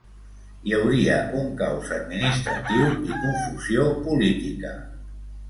Hi hauria un caos administratiu i confusió política.